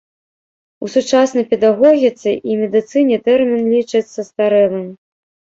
У сучаснай педагогіцы і медыцыне тэрмін лічаць састарэлым.